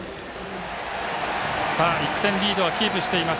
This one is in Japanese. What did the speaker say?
１点リードはキープしています。